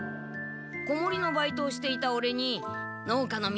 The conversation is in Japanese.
子守のバイトをしていたオレに農家のみなさんが。